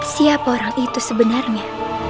siapa orang itu sebenarnya